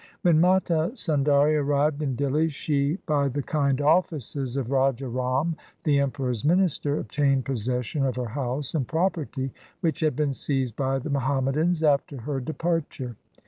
When Mata Sundari arrived in Dihli she by the kind offices of Raja Ram, the Emperor's minister, obtained possession of her house and property, which had been seized by the Muhammadans after her departure.